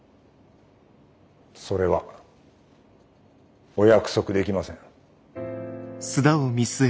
それはお約束できません。